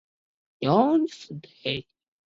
长尾蹄盖蕨为蹄盖蕨科蹄盖蕨属下的一个种。